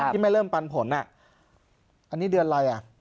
ที่ไม่เริ่มปันผลอันนี้เดือนอะไรอ่ะ